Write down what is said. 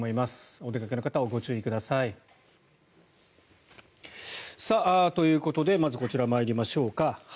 お出かけの方はご注意ください。ということでまずこちら参りましょうか。